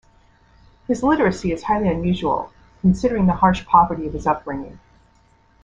His literacy is highly unusual, considering the harsh poverty of his upbringing.